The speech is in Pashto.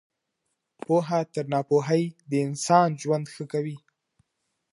پوهه تر ناپوهۍ د انسان ژوند ښه کوي.